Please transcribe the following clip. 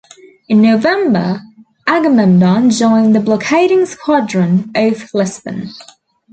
In November, "Agamemnon" joined the blockading squadron off Lisbon.